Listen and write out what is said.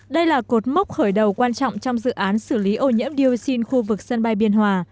đây là cột mốc khởi đầu quan trọng trong dự án xử lý ô nhiễm dioxin khu vực sân bay biên hòa